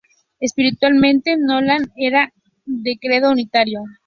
Espiritualmente, Nolan era de credo unitario.